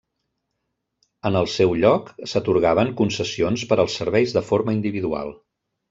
En el seu lloc, s'atorgaven concessions per als serveis de forma individual.